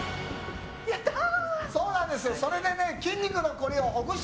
やったー！